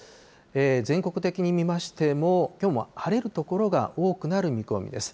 全国的に見ましても、きょうも晴れる所が多くなる見込みです。